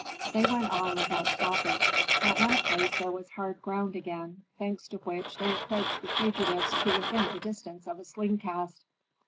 They went on without stopping. At one place there was hard ground again, thanks to which they approached the fugitives to within the distance of a sling cast.